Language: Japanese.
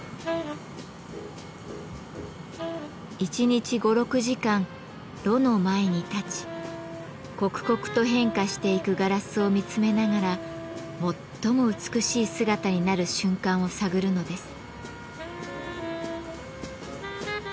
１日５６時間炉の前に立ち刻々と変化していくガラスを見つめながら最も美しい姿になる瞬間を探るのです。